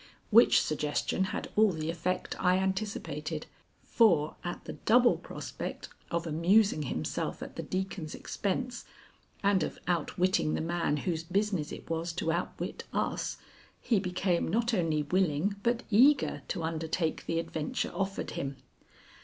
Which suggestion had all the effect I anticipated, for at the double prospect of amusing himself at the Deacon's expense, and of outwitting the man whose business it was to outwit us, he became not only willing but eager to undertake the adventure offered him.